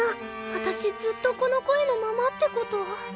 わたしずっとこの声のままってこと？